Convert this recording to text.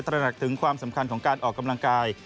ระหนักถึงความสำคัญของการออกกำลังกาย